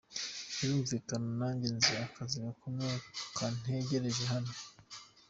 Birumvikana nanjye nzi akazi gakomeye kantegereje hano.